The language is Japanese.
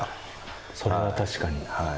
それは確かにはい。